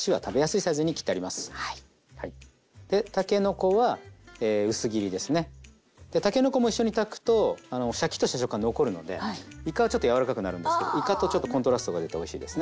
たけのこも一緒に炊くとシャキッとした食感残るのでいかはちょっと柔らかくなるんですけどいかとちょっとコントラストが出ておいしいですね。